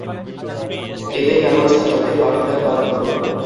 এতে কেবল ছাত্রদের পাঠদান করা হত।